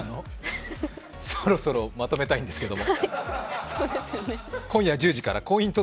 そろそろまとめたいんですけれども。